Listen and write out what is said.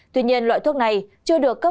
tuy nhiên loại thuốc này chưa được cấp